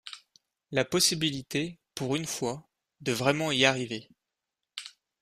La possibilité, pour une fois, de vraiment y arriver.